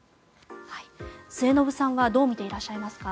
末延さんはどう見ていらっしゃいますか？